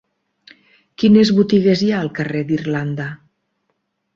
Quines botigues hi ha al carrer d'Irlanda?